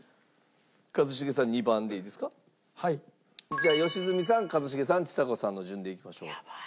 じゃあ良純さん一茂さんちさ子さんの順でいきましょう。